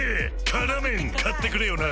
「辛麺」買ってくれよな！